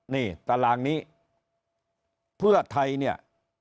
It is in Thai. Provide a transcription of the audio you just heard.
นี่ตารางนี้เพื่อไทยเนี่ย